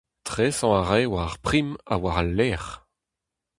Tresañ a rae war ar prim ha war al lec'h.